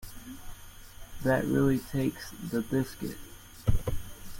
That really takes the biscuit